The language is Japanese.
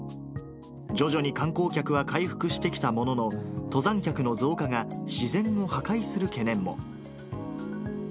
徐々に観光客は回復してきたものの、登山客の増加が自然を破壊する懸念も。